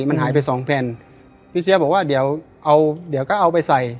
มันหายไปสองแผ่นพี่เสียบอกว่าเดี๋ยวเอาเดี๋ยวก็เอาไปใส่